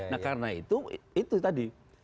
nah karena itu itu tadi